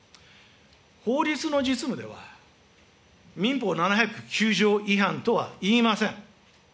法律の実務では、民法７０９条違反とはいいません。